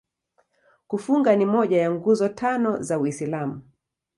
Kufunga ni moja ya Nguzo Tano za Uislamu.